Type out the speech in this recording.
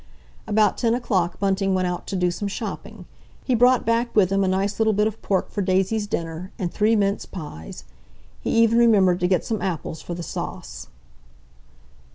About ten o'clock Bunting went out to do some shopping. He brought back with him a nice little bit of pork for Daisy's dinner, and three mince pies. He even remembered to get some apples for the sauce.